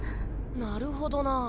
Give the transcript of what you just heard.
なるほどなぁ。